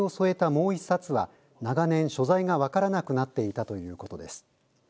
もう１冊は長年、所在が分からなくなっていたということです。